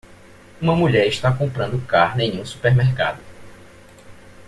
Uma mulher está comprando carne em um supermercado.